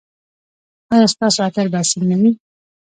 ایا ستاسو عطر به اصیل نه وي؟